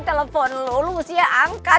telepon lu lu mustinya angkat